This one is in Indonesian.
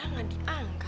apa sih sebenarnya